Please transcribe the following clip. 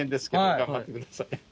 頑張ってください。